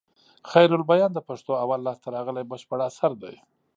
خيرالبيان د پښتو اول لاسته راغلى بشپړ اثر دئ.